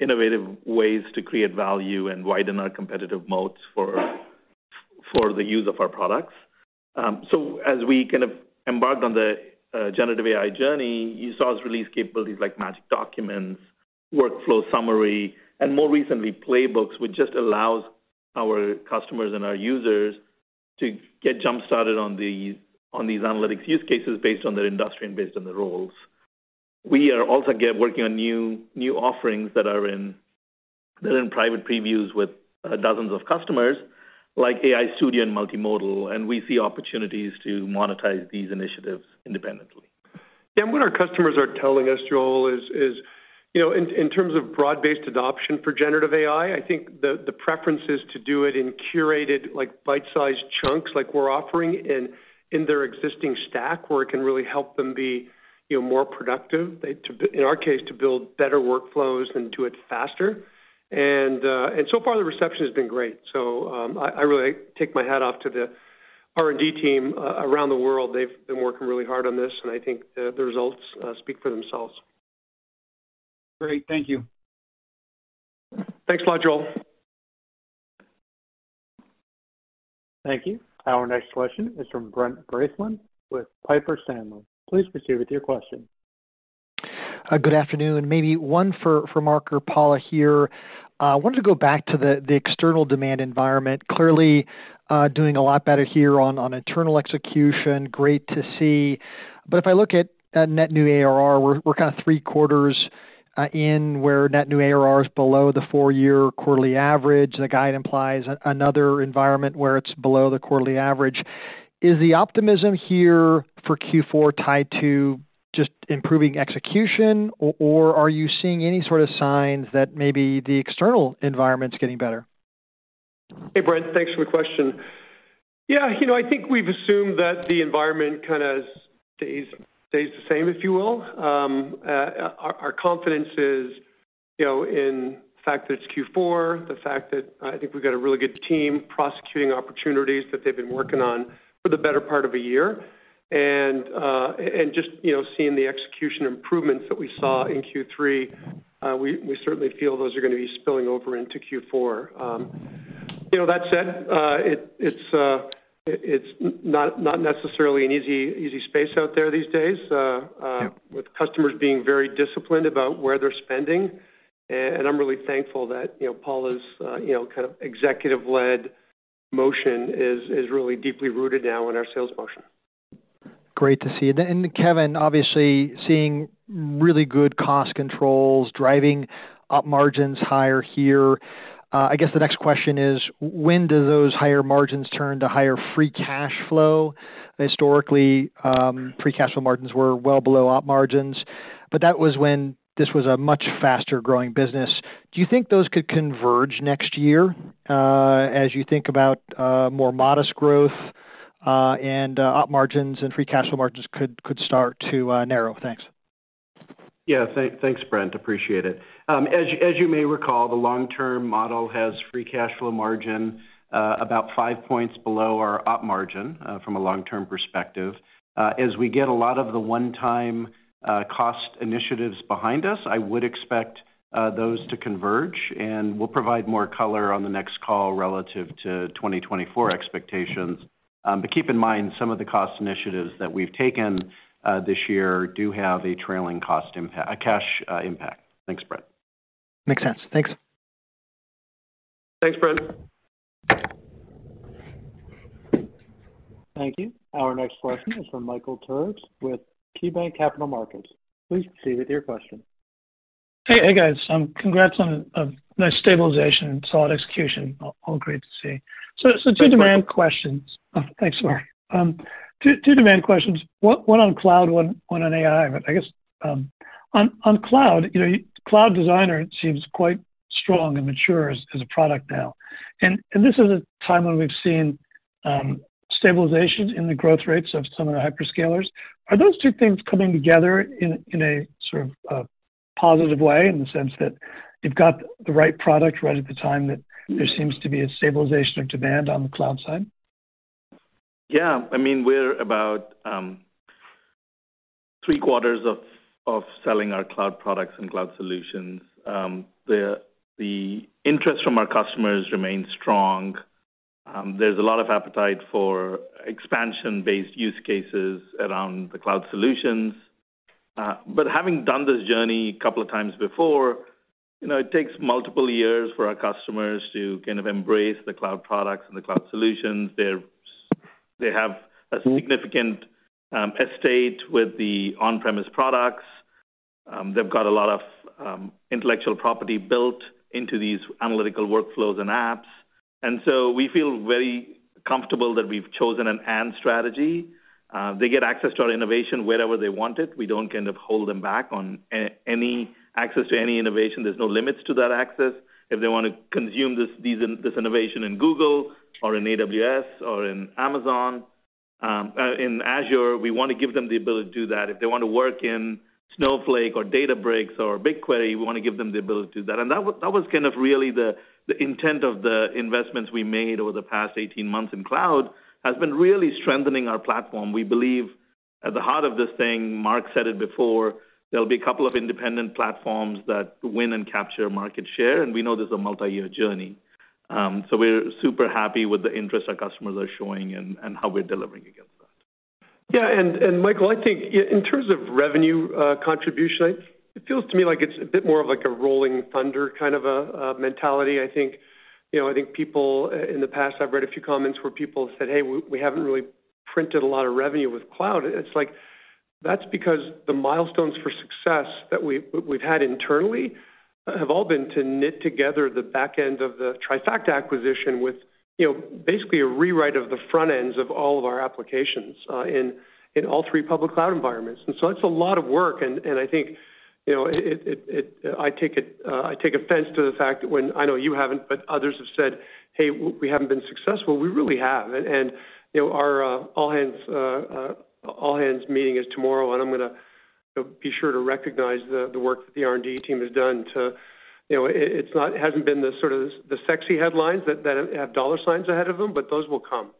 innovative ways to create value and widen our competitive moats for the use of our products. So as we kind of embarked on the Generative AI journey, you saw us release capabilities like Magic Documents, Workflow Summary, and more recently, Playbooks, which just allows our customers and our users to get jump-started on these analytics use cases based on their industry and based on their roles. We are also working on new offerings that are in private previews with dozens of customers, like AI Studio and Multimodal, and we see opportunities to monetize these initiatives independently. What our customers are telling us, Joel, is you know, in terms of broad-based adoption for generative AI, I think the preference is to do it in curated, like, bite-sized chunks, like we're offering in their existing stack, where it can really help them be you know, more productive. In our case, to build better workflows and do it faster. So far, the reception has been great. I really take my hat off to the R&D team around the world. They've been working really hard on this, and I think the results speak for themselves. Great. Thank you. Thanks a lot, Joel. Thank you. Our next question is from Brent Bracelin with Piper Sandler. Please proceed with your question. Good afternoon. Maybe one for, from Mark or Paula here. I wanted to go back to the external demand environment. Clearly, doing a lot better here on internal execution. Great to see. But if I look at net new ARR, we're kind of three quarters in where net new ARR is below the four-year quarterly average. The guide implies another environment where it's below the quarterly average. Is the optimism here for Q4 tied to just improving execution, or are you seeing any sort of signs that maybe the external environment's getting better? Hey, Brent. Thanks for the question. Yeah, you know, I think we've assumed that the environment kind of stays the same, if you will. Our confidence is, you know, in the fact that it's Q4, the fact that I think we've got a really good team prosecuting opportunities that they've been working on for the better part of a year. And just, you know, seeing the execution improvements that we saw in Q3, we certainly feel those are gonna be spilling over into Q4. You know, that said, it's not necessarily an easy space out there these days. Yeah... with customers being very disciplined about where they're spending. And I'm really thankful that, you know, Paula's, you know, kind of executive-led motion is really deeply rooted now in our sales motion.... Great to see. Kevin, obviously seeing really good cost controls driving up margins higher here. I guess the next question is: When do those higher margins turn to higher free cash flow? Historically, free cash flow margins were well below op margins, but that was when this was a much faster-growing business. Do you think those could converge next year, as you think about more modest growth, and op margins and free cash flow margins could start to narrow? Thanks. Yeah. Thanks, Brent. Appreciate it. As you may recall, the long-term model has free cash flow margin about 5 points below our op margin from a long-term perspective. As we get a lot of the one-time cost initiatives behind us, I would expect those to converge, and we'll provide more color on the next call relative to 2024 expectations. But keep in mind, some of the cost initiatives that we've taken this year do have a trailing cost impact - a cash impact. Thanks, Brent. Makes sense. Thanks. Thanks, Brent. Thank you. Our next question is from Michael Turits with KeyBanc Capital Markets. Please proceed with your question. Hey, hey, guys, congrats on a nice stabilization and solid execution. All great to see. So two demand questions. Thanks, Mark. Two demand questions, one on cloud, one on AI, but I guess on cloud, you know, Cloud Designer seems quite strong and mature as a product now. And this is a time when we've seen stabilization in the growth rates of some of the hyperscalers. Are those two things coming together in a sort of positive way, in the sense that you've got the right product right at the time, that there seems to be a stabilization of demand on the cloud side? Yeah. I mean, we're about three quarters of selling our cloud products and cloud solutions. The interest from our customers remains strong. There's a lot of appetite for expansion-based use cases around the cloud solutions. But having done this journey a couple of times before, you know, it takes multiple years for our customers to kind of embrace the cloud products and the cloud solutions. They have a significant estate with the on-premises products. They've got a lot of intellectual property built into these analytical workflows and apps, and so we feel very comfortable that we've chosen an and strategy. They get access to our innovation wherever they want it. We don't kind of hold them back on any access to any innovation. There's no limits to that access. If they want to consume this innovation in Google or in AWS or in Amazon, in Azure, we want to give them the ability to do that. If they want to work in Snowflake or Databricks or BigQuery, we want to give them the ability to do that. And that was kind of really the intent of the investments we made over the past 18 months in cloud has been really strengthening our platform. We believe at the heart of this thing, Mark said it before, there'll be a couple of independent platforms that win and capture market share, and we know this is a multi-year journey. So we're super happy with the interest our customers are showing and how we're delivering against that. Yeah, and Michael, I think in terms of revenue contribution, it feels to me like it's a bit more of like a rolling thunder kind of a mentality. I think, you know, I think people in the past, I've read a few comments where people have said, "Hey, we haven't really printed a lot of revenue with cloud." It's like, that's because the milestones for success that we've had internally have all been to knit together the back end of the Trifacta acquisition with, you know, basically a rewrite of the front ends of all of our applications in all three public cloud environments. And so that's a lot of work, and I think, you know, it I take it—I take offense to the fact that when, I know you haven't, but others have said, "Hey, we haven't been successful." We really have. And you know, our all hands meeting is tomorrow, and I'm gonna be sure to recognize the work that the R&D team has done to... You know, it hasn't been the sort of sexy headlines that have dollar signs ahead of them, but those will come.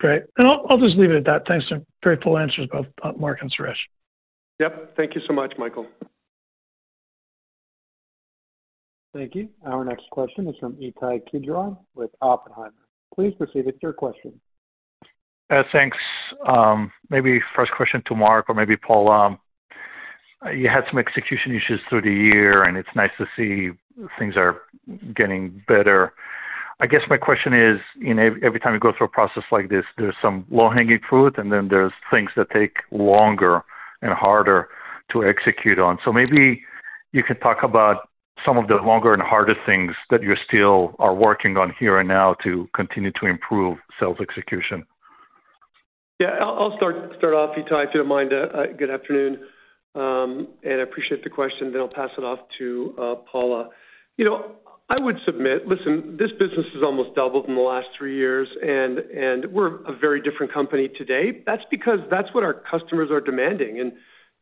Great. And I'll, I'll just leave it at that. Thanks. Very full answers, both, Mark and Suresh. Yep. Thank you so much, Michael. Thank you. Our next question is from Ittai Kidron with Oppenheimer. Please proceed with your question. Thanks. Maybe first question to Mark, or maybe Paula. You had some execution issues through the year, and it's nice to see things are getting better. I guess my question is, you know, every time you go through a process like this, there's some low-hanging fruit, and then there's things that take longer and harder to execute on. So maybe you could talk about some of the longer and harder things that you still are working on here and now to continue to improve sales execution. Yeah, I'll start off, Ittai, if you don't mind. Good afternoon, and I appreciate the question, then I'll pass it off to Paula. You know, I would submit, listen, this business has almost doubled in the last three years, and we're a very different company today. That's because that's what our customers are demanding, and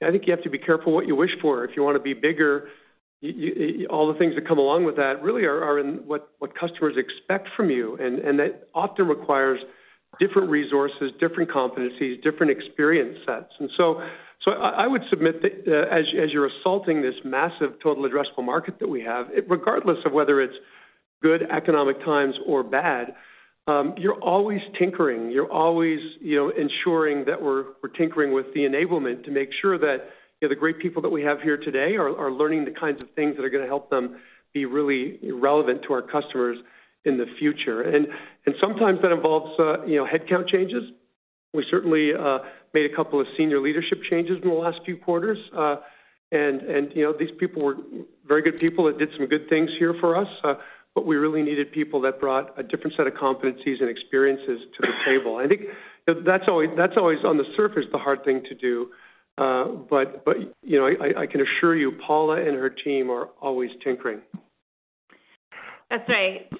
I think you have to be careful what you wish for. If you want to be bigger, you all the things that come along with that really are in what customers expect from you, and that often requires different resources, different competencies, different experience sets. So I would submit that, as you're assaulting this massive total addressable market that we have, regardless of whether it's good economic times or bad, you're always tinkering. You're always, you know, ensuring that we're tinkering with the enablement to make sure that, you know, the great people that we have here today are learning the kinds of things that are going to help them be really relevant to our customers in the future. And sometimes that involves, you know, headcount changes.... We certainly made a couple of senior leadership changes in the last few quarters. And you know, these people were very good people that did some good things here for us, but we really needed people that brought a different set of competencies and experiences to the table. I think that's always on the surface the hard thing to do, but you know, I can assure you, Paula and her team are always tinkering. That's right,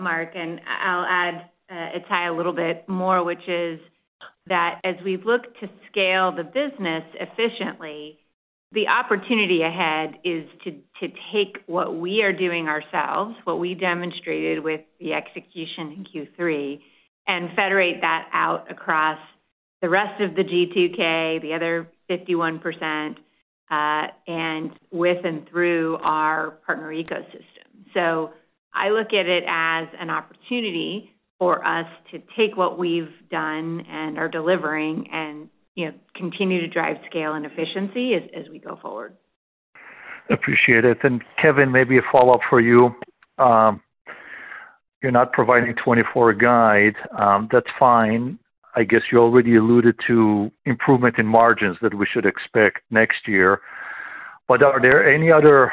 Mark, and I'll add, Ittai, a little bit more, which is that as we've looked to scale the business efficiently, the opportunity ahead is to take what we are doing ourselves, what we demonstrated with the execution in Q3, and federate that out across the rest of the G2K, the other 51%, and with and through our partner ecosystem. So I look at it as an opportunity for us to take what we've done and are delivering and, you know, continue to drive scale and efficiency as we go forward. Appreciate it. And, Kevin, maybe a follow-up for you. You're not providing 2024 guide. That's fine. I guess you already alluded to improvement in margins that we should expect next year. But are there any other,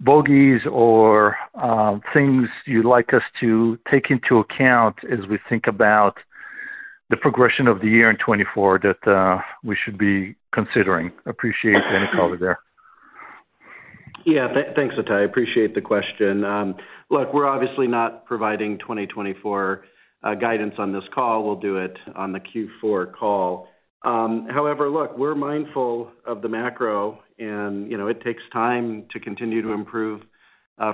bogeys or, things you'd like us to take into account as we think about the progression of the year in 2024 that we should be considering? Appreciate any color there. Yeah, thanks, Ittai. I appreciate the question. Look, we're obviously not providing 2024 guidance on this call. We'll do it on the Q4 call. However, look, we're mindful of the macro and, you know, it takes time to continue to improve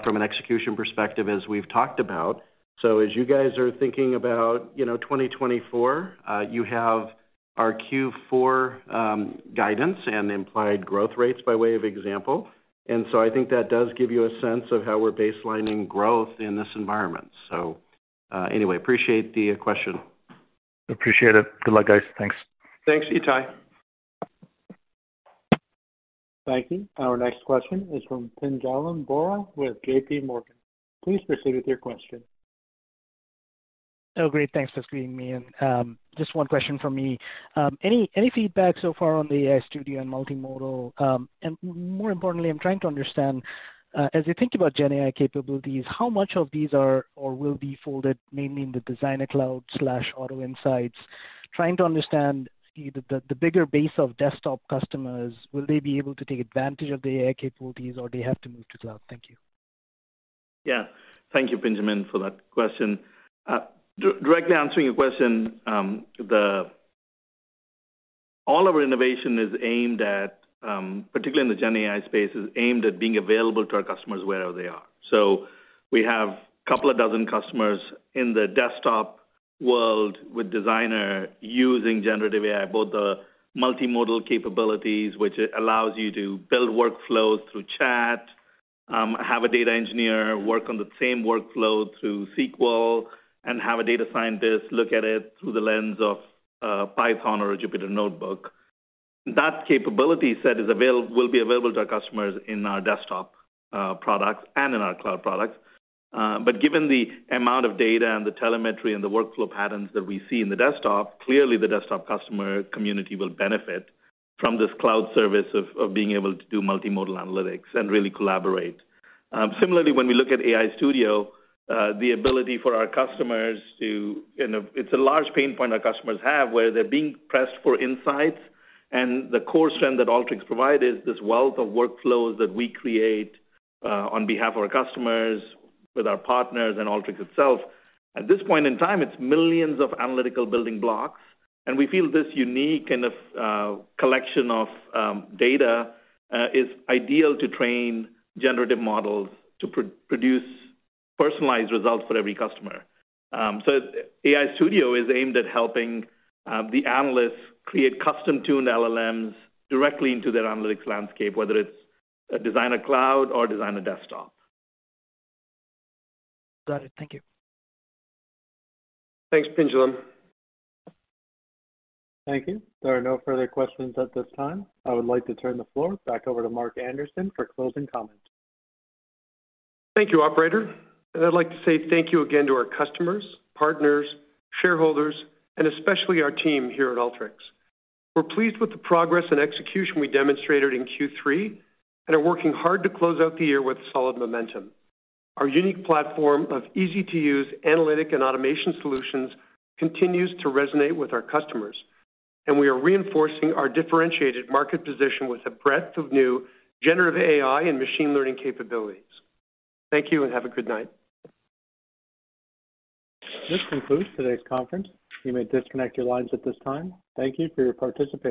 from an execution perspective, as we've talked about. So as you guys are thinking about, you know, 2024, you have our Q4 guidance and the implied growth rates by way of example. And so I think that does give you a sense of how we're baselining growth in this environment. So, anyway, appreciate the question. Appreciate it. Good luck, guys. Thanks. Thanks, Ittai. Thank you. Our next question is from Pinjalim Bora with J.P. Morgan. Please proceed with your question. Oh, great. Thanks for screening me, and just one question from me. Any feedback so far on the AI Studio and multimodal? And more importantly, I'm trying to understand, as you think about gen AI capabilities, how much of these are or will be folded, mainly in the Designer Cloud/Auto Insights? Trying to understand the bigger base of desktop customers, will they be able to take advantage of the AI capabilities, or they have to move to cloud? Thank you. Yeah. Thank you, Pinjalim, for that question. Directly answering your question, All of our innovation is aimed at, particularly in the gen AI space, is aimed at being available to our customers wherever they are. So we have a couple of dozen customers in the desktop world with Designer using generative AI, both the multimodal capabilities, which allows you to build workflows through chat, have a data engineer work on the same workflow through SQL, and have a data scientist look at it through the lens of, Python or a Jupyter Notebook. That capability set is available, will be available to our customers in our desktop, products and in our cloud products. But given the amount of data and the telemetry and the workflow patterns that we see in the desktop, clearly the desktop customer community will benefit from this cloud service of being able to do multimodal analytics and really collaborate. Similarly, when we look at AI Studio, the ability for our customers to. And it's a large pain point our customers have, where they're being pressed for insights, and the core strength that Alteryx provide is this wealth of workflows that we create on behalf of our customers, with our partners and Alteryx itself. At this point in time, it's millions of analytical building blocks, and we feel this unique and collection of data is ideal to train generative models to produce personalized results for every customer. So AI Studio is aimed at helping the analysts create custom-tuned LLMs directly into their analytics landscape, whether it's a Designer Cloud or Designer Desktop. Got it. Thank you. Thanks, Pinjalal. Thank you. There are no further questions at this time. I would like to turn the floor back over to Mark Anderson for closing comments. Thank you, operator, and I'd like to say thank you again to our customers, partners, shareholders, and especially our team here at Alteryx. We're pleased with the progress and execution we demonstrated in Q3 and are working hard to close out the year with solid momentum. Our unique platform of easy-to-use analytic and automation solutions continues to resonate with our customers, and we are reinforcing our differentiated market position with a breadth of new generative AI and machine learning capabilities. Thank you, and have a good night. This concludes today's conference. You may disconnect your lines at this time. Thank you for your participation.